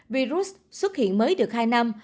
virus xuất hiện mới được hai năm